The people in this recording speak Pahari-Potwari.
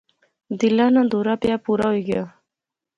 دلے ناں دورہ پیا، پورا ہوئی گیا